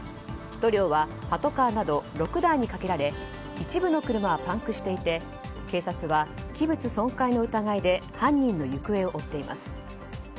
塗料はパトカーなど６台にかけられ一部の車はパンクしていて警察は器物損壊の疑いで犯人の行方を追っています。